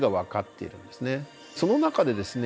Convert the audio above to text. その中でですね